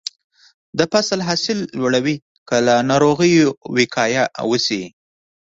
د فصل حاصل لوړوي که له ناروغیو وقایه وشي.